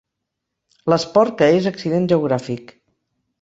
L'esport que és accident geogràfic.